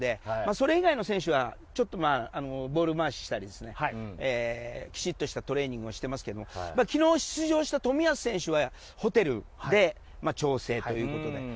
それ以外の選手はボール回しをしたりきちっとしたトレーニングをしていますけど昨日、出場した冨安選手はホテルで調整ということで。